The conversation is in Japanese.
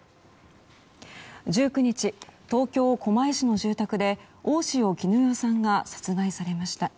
１９日、東京・狛江市の住宅で大塩衣與さんが殺害されました。